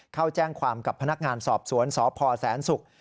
เข้าแจ้งความกับพนักงานสอบสวนสพแสนศุกร์